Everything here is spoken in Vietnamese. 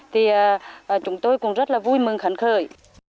thì chúng tôi cũng rất là vui mừng phấn khởi